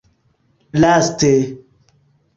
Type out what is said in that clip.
Laste.